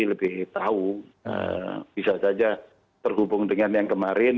lebih tahu bisa saja terhubung dengan yang kemarin